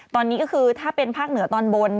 ตอนนี้ก็คือถ้าเป็นภาคเหนือตอนบน